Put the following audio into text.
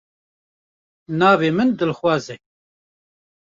Navê min Dilxwaz e.